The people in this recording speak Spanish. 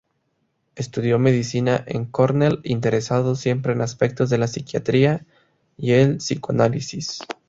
Estudió medicina en Cornell, interesado siempre en aspectos de la psiquiatría y el psicoanálisis.